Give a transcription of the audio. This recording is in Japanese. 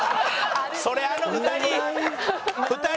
それあの２人！